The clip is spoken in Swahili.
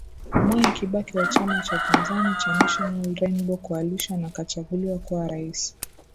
Mwai Kibaki wa chama cha upinzani cha National Rainbow Coalition akachaguliwa kuwa rais